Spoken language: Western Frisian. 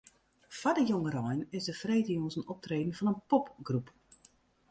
Foar de jongerein is der de freedtejûns in optreden fan in popgroep.